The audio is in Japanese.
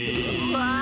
わあ！